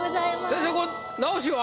先生これ直しは？